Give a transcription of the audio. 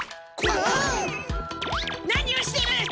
何をしている！